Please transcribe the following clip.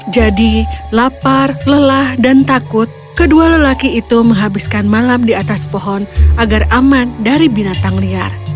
jadi lapar lelah dan takut kedua lelaki itu menghabiskan malam di atas pohon agar aman dari binatang liar